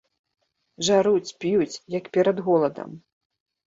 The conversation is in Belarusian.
Жаруць, п'юць, як перад голадам.